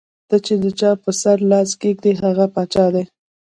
ته چې د چا پۀ سر لاس کېږدې ـ هغه باچا دے ـ